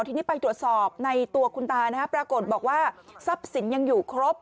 ทีนี้ไปตรวจสอบในตัวคุณตานะฮะปรากฏบอกว่าทรัพย์สินยังอยู่ครบ